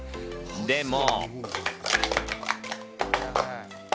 でも。